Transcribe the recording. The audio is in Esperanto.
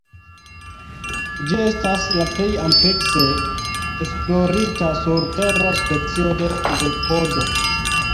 Ĝi estas la plej amplekse esplorita surtera specio de izopodo.